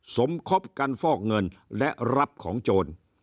สมคบกันฟอกเงินและรับของโจร